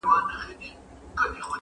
نو پیاده څنګه روان پر دغه لار دی.!